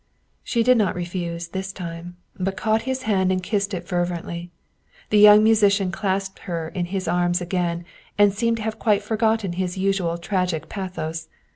She did not refuse this time, but caught his hand and kissed it fervently. The young musician clasped her in his arms again, and seemed to have quite forgotten his usual tragical pathos.